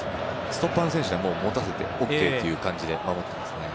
ストッパーの選手には持たせてもＯＫという感じで守ってますね。